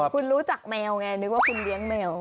คุณรู้จักแมวไงนึกว่าคุณเลี้ยงแมว